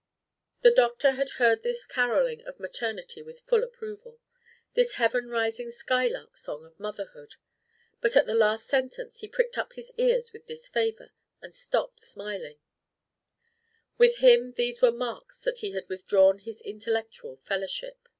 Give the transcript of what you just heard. The doctor had heard this carolling of maternity with full approval this heaven rising skylark song of motherhood; but at the last sentence he pricked up his ears with disfavor and stopped smiling: with him these were marks that he had withdrawn his intellectual fellowship.